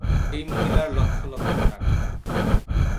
এই মহিলার লক্ষ লক্ষ টাকা।